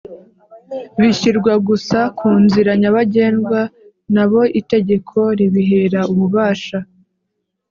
bishyirwa gusa ku nzira nyabagendwa n abo itegeko ribihera ububasha